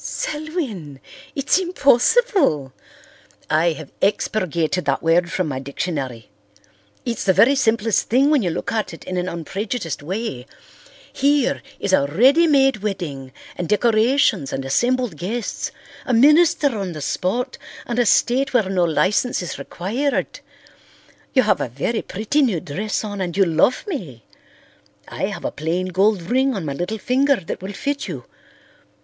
"Selwyn! It's impossible." "I have expurgated that word from my dictionary. It's the very simplest thing when you look at it in an unprejudiced way. Here is a ready made wedding and decorations and assembled guests, a minister on the spot and a state where no licence is required. You have a very pretty new dress on and you love me. I have a plain gold ring on my little finger that will fit you.